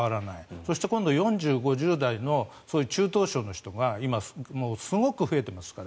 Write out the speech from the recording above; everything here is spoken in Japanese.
そして今度４０代、５０代の中等症の人が今、すごく増えていますから。